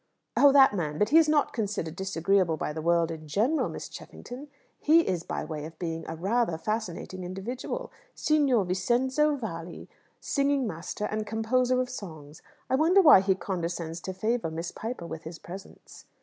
"Oh, that man? But he is not considered disagreeable by the world in general, Miss Cheffington! He is by way of being a rather fascinating individual: Signor Vincenzo Valli, singing master, and composer of songs. I wonder why he condescends to favour Miss Piper with his presence."